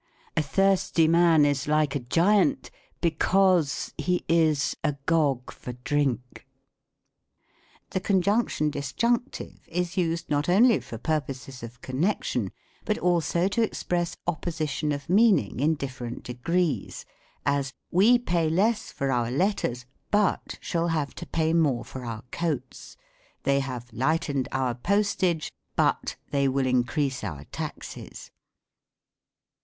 " A thirsty man is like a Giant because he is a Gog for drink." The Conjunction Disjunctive is used not only for purposes of connection, but also to express opposition of meaning in different degrees : as, " We pay less for our letters, but shall have to pay more for our coats : they have lightened our postage, but they will increase our taxes.